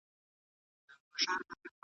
هغه سړي په شعر کې ځواب ورکړ.